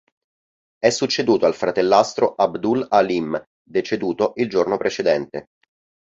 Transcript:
È succeduto al fratellastro Abdul Halim, deceduto il giorno precedente.